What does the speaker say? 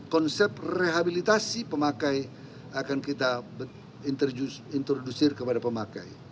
konsep rehabilitasi pemakai akan kita introdusir kepada pemakai